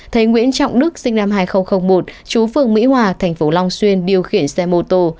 thấy nguyễn trọng đức sinh năm hai nghìn một chú phường mỹ hòa thành phố long xuyên điều khiển xe mô tô